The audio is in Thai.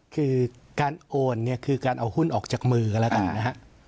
คือการโอนเนี่ยคือการเอาหุ้นออกจากมือกันแล้วกันนะฮะ